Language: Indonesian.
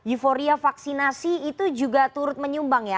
euforia vaksinasi itu juga turut menyumbang ya